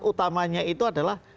utamanya itu adalah